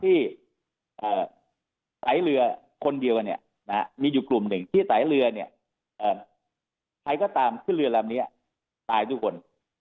สายเรือคนเดียวเนี่ยมีอยู่กลุ่มหนึ่งที่สายเรือเนี่ยใครก็ตามขึ้นเรือลำนี้ตายทุกคน